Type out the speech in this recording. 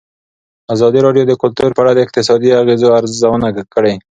ازادي راډیو د کلتور په اړه د اقتصادي اغېزو ارزونه کړې.